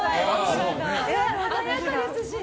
華やかですしね。